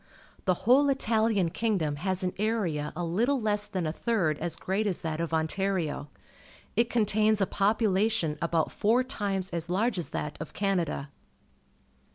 The whole Italian kingdom has an area a little less than a third as great as that of Ontario. It contains a population about four times as large as that of Canada.